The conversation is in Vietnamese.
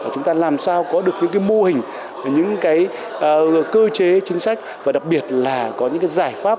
chúng ta làm sao có được những mô hình những cơ chế chính sách và đặc biệt là có những giải pháp